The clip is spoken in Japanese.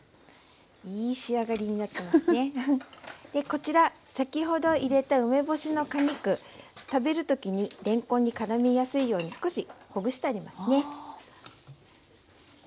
こちら先ほど入れた梅干しの果肉食べる時にれんこんにからみやすいように少しほぐしてありますね。